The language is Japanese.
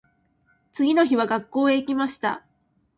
次の日は学校へ行きました。